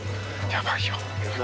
やばいよ。